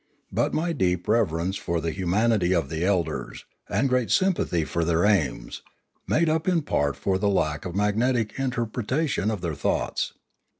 But my deep reverence for the humanity of the elders, and great sympathy for their aims, made up in part for the lack of magnetic interpretation of their thoughts.